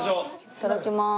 いただきます。